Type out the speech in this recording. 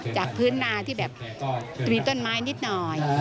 จากพื้นนาที่แบบมีต้นไม้นิดหน่อย